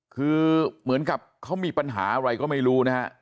คือเหมือนกับเขามีปัญหาอะไรก็ไม่รู้นะฮะ